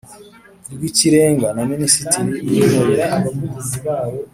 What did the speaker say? rw Ikirenga na Minisitiri w Intebe